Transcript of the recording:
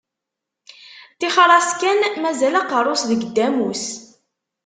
Ṭixer-as kan, mazal aqerru-s deg ddamus.